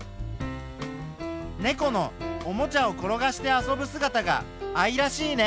ネコのおもちゃを転がして遊ぶすがたが愛らしいね。